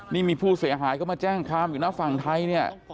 นี่มีผู้เสียหายเข้ามาแจ้งความอยู่นะฝั่งไทยเนี่ย